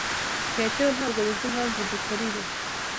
Petero ntabwo yumva impamvu dukora ibi.